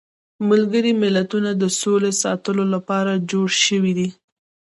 ملګري ملتونه د سولې ساتلو لپاره جوړ شویدي.